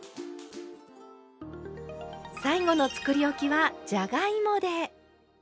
最後のつくりおきはじゃがいもで。